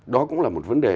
đó cũng là một vấn đề